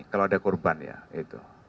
kalau ada korban ya itu